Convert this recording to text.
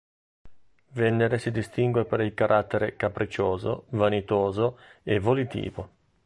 Venere si distingue per il carattere capriccioso, vanitoso e volitivo.